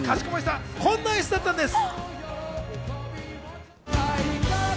こんな演出だったんです！